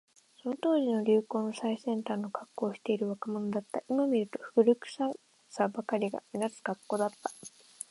その当時の流行の最先端のカッコをしている若者だった。今見ると、古臭さばかりが目立つカッコだった。